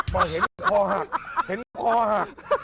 เฉล้อเห็นคอหัก